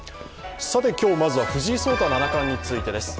今日まずは藤井聡太七冠についてです。